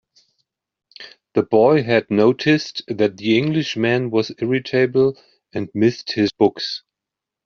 The boy had noticed that the Englishman was irritable, and missed his books.